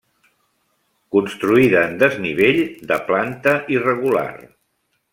Construïda en desnivell, de planta irregular.